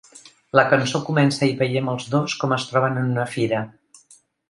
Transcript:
La cançó comença i veiem els dos com es troben en una fira.